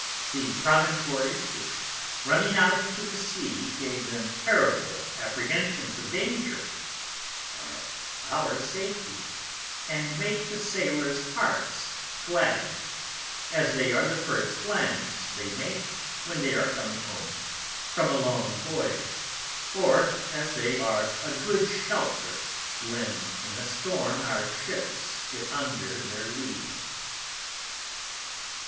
The Promontories which running out into the Sea gave them terrible Apprehensions of Danger, are our Safety, and make the Sailors Hearts glad, as they are the first Lands they make when they are coming Home from a long Voyage, or as they are a good shelter when in a Storm our Ships get under their Lee.